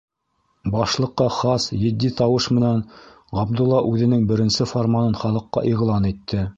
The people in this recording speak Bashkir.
Башлыҡҡа хас етди тауыш менән Ғабдулла үҙенең беренсе фарманын халыҡҡа иғлан итте: